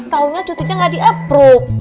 taunya cutinya gak di approach